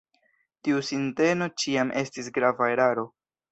Tiu sinteno ĉiam estis grava eraro.